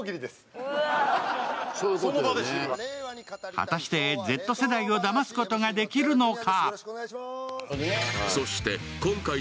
果たして、Ｚ世代をだますことはできるのか。